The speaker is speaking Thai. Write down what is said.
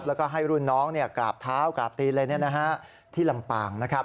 แล้วก็ให้รุ่นน้องกราบเท้ากราบตีนที่ลำปาง